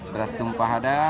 beras tumpah ada